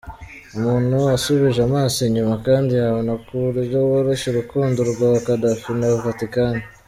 Umuntu asubije amaso inyuma kandi yabona ku buryo bworoshye urukundo rwa Gaddafi na Vaticani.